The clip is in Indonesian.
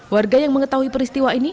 warga yang mengetahui peristiwa ini